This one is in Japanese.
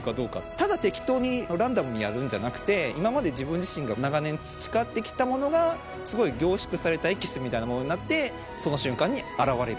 ただ適当に、ランダムにやるんじゃなくて、今まで自分自身が長年培ってきたものが、すごい凝縮されたエキスみたいなものになって、その瞬間に表れる。